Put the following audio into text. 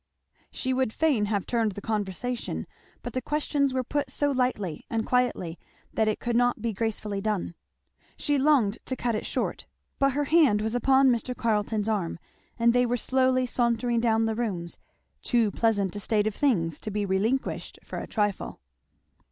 She would fain have turned the conversation, but the questions were put so lightly and quietly that it could not be gracefully done. She longed to cut it short, but her hand was upon Mr. Carleton's arm and they were slowly sauntering down the rooms, too pleasant a state of things to be relinquished for a trifle.